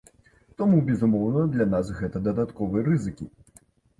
Таму, безумоўна, для нас гэта дадатковыя рызыкі.